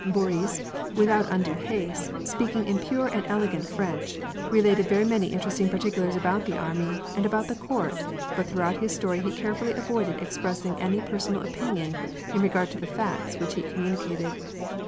Boris, without undue haste, speaking in pure and elegant French, re lated very many interesting particulars about the army, and about the court, but throughout his story he carefully avoided expressing any personal opinion in regard to the facts which he communicated.